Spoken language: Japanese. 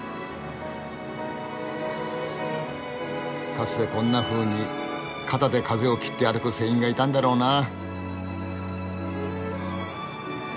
かつてこんなふうに肩で風を切って歩く船員がいたんだろうなあ。